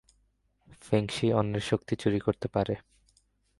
ফেংশি অন্যের শক্তি চুরি করতে পারে।